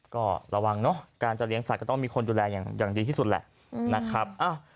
ก็ระวังเนอะการจะเลี้ยสัตว์ก็ต้องมีคนดูแลอย่างดีที่สุดแหละนะครับ